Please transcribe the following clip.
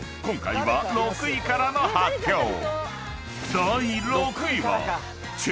今回は６位からの発表］